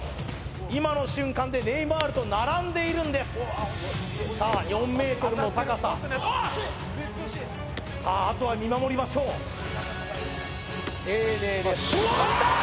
今の瞬間でネイマールと並んでいるんですさあ４ｍの高さあっ惜しいさああとは見守りましょう丁寧ですおーっきたー！